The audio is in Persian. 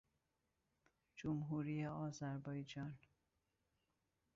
جمهوری آذربایجان